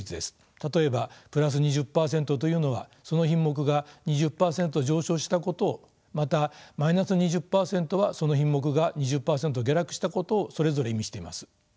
例えばプラス２０％というのはその品目が２０％上昇したことをまたマイナス２０％はその品目が２０％下落したことをそれぞれ意味しています。